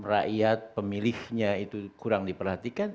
rakyat pemilihnya itu kurang diperhatikan